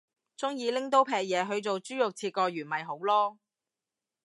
鍾意拎刀劈嘢去做豬肉切割員咪好囉